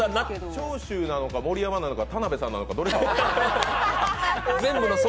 長州なのか、盛山なのか、田辺さんなのか？